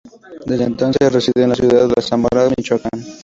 Desde entonces, reside en la ciudad de Zamora, Michoacán.